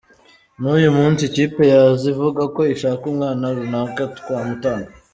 N’uyu munsi ikipe yaza ivuga ko ishaka umwana runaka twamutanga.